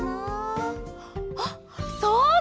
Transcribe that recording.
あっそうだ！